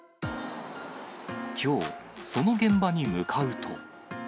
きょう、その現場に向かうと。